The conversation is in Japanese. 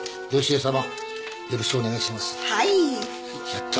やった。